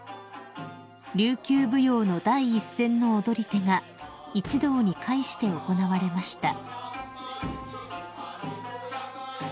［琉球舞踊の第一線の踊り手が一堂に会して行われました］